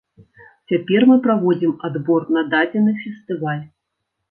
Цяпер мы праводзім адбор на дадзены фестываль.